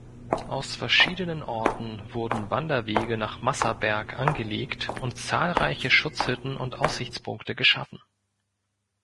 Aus verschiedenen Orten wurden Wanderwege nach Masserberg angelegt und zahlreiche Schutzhütten und Aussichtspunkte geschaffen.